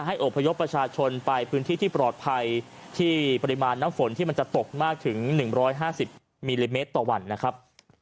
อบพยพประชาชนไปพื้นที่ที่ปลอดภัยที่ปริมาณน้ำฝนที่มันจะตกมากถึง๑๕๐มิลลิเมตรต่อวันนะครับ